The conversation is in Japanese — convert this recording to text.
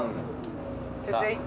続いて。